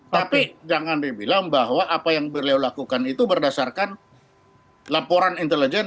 tapi jangan dibilang bahwa apa yang beliau lakukan itu berdasarkan laporan intelijen